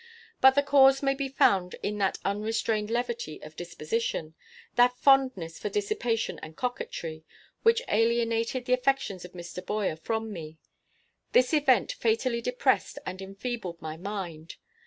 But the cause may be found in that unrestrained levity of disposition, that fondness for dissipation and coquetry, which alienated the affections of Mr. Boyer from me. This event fatally depressed and enfeebled my mind.